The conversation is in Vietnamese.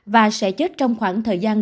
và sẽ chết trong khoảng thời gian